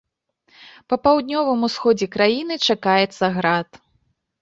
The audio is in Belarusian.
Па паўднёвым усходзе краіны чакаецца град.